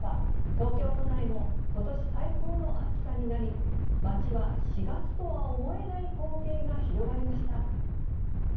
東京都内もことし最高の暑さになり、街は４月とは思えない光景が広がりました。